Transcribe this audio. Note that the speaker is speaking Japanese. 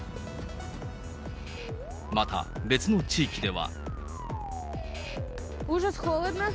また、別の地域では。